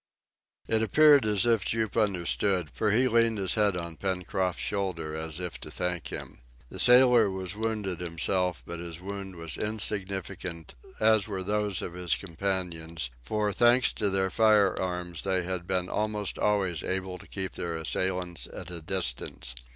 It appeared as if Jup understood, for he leaned his head on Pencroft's shoulder as if to thank him. The sailor was wounded himself, but his wound was insignificant, as were those of his companions; for thanks to their firearms they had been almost always able to keep their assailants at a distance.